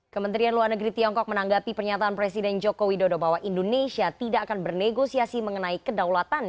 kementerian luar negeri tiongkok menanggapi pernyataan presiden joko widodo bahwa indonesia tidak akan bernegosiasi mengenai kedaulatan